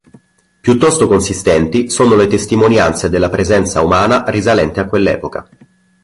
Piuttosto consistenti sono le testimonianze della presenza umana risalente a quell'epoca.